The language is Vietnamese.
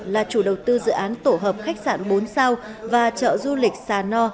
là chủ đầu tư dự án tổ hợp khách sạn bốn sao và chợ du lịch sà no